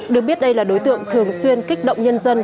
được biết đây là đối tượng thường xuyên kích động nhân dân